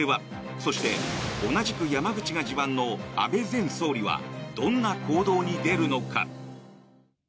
そして、同じく山口が地盤の安倍前総理はどんな行動に出るのか。